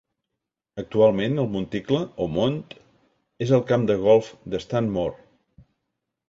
Actualment, el monticle, o mont, és el camp de golf de Stanmore.